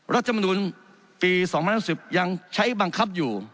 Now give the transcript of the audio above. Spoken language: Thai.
รัฐมนุนปี๒๐๖๐ยังใช้บังคับอยู่